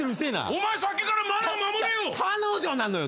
お前さっきからマナー守れよ！